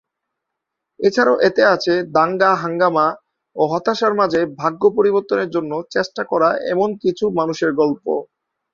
এছাড়াও এতে আছে দাঙ্গা-হাঙ্গামা ও হতাশার মাঝে ভাগ্য পরিবর্তনের জন্য চেষ্টা করা এমন কিছু মানুষের গল্প।